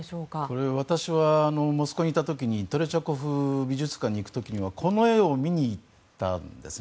これ、私はモスクワにいた時にトレチャコフ美術館に行く時にはこの絵を見に行ったんですね。